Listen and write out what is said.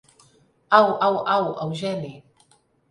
Au, Au, Au, Eugeni.